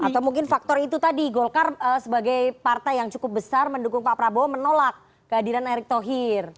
atau mungkin faktor itu tadi golkar sebagai partai yang cukup besar mendukung pak prabowo menolak kehadiran erick thohir